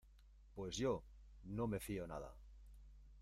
Pues yo, no me fío nada.